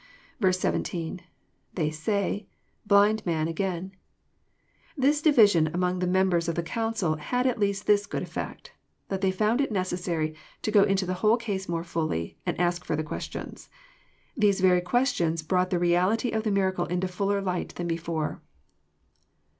17.— [ They 8ay„.blind man again,"] This division among the mem bers of the council had at least this good effect, that they found it necessary to go into the whole case more fully, and ask far ther questions. These very questions brought the reality of the miracle into fuller light than before.